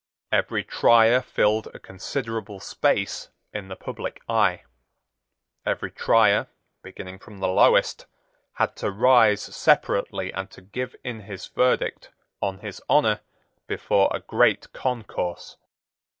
Every Trier filled a considerable space in the public eye. Every Trier, beginning from the lowest, had to rise separately and to give in his verdict, on his honour, before a great concourse.